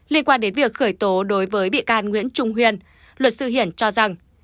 liên quan đến việc khởi tố đối với bị can nguyễn trung huyền luật sư hiền cho rằng